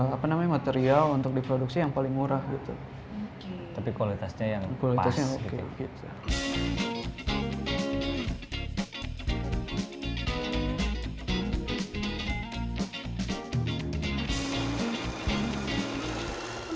apa namanya material untuk diproduksi yang paling murah gitu